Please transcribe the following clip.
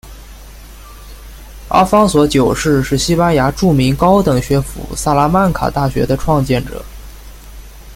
阿方索九世是西班牙著名高等学府萨拉曼卡大学的创建者。